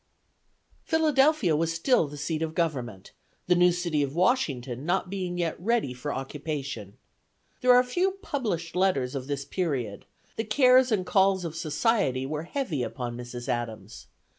Philadelphia was still the seat of government, the new city of Washington not being yet ready for occupation. There are few published letters of this period; the cares and calls of society were heavy upon Mrs. Adams.